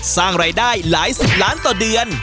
สร้างรายได้หลายสิบล้านต่อเดือน